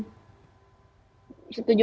tujuh hari sebelum